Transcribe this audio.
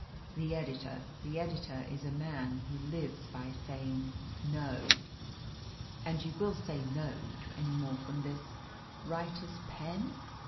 "The editor. The editor is a man who lives by saying 'No.'" "And you will say 'No' to any more from this writer's pen?"